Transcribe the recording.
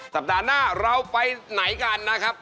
สัปดาห์หน้าเราไปไหนกันนะครับ